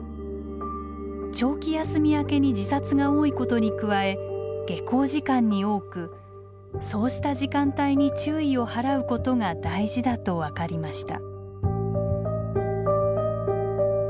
長期休み明けに自殺が多いことに加え下校時間に多くそうした時間帯に注意を払うことが大事だと分かりました。